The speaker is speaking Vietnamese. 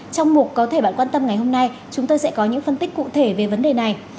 trong mục có thể bạn quan tâm ngày hôm nay chúng tôi sẽ có những phân tích cụ thể về vấn đề này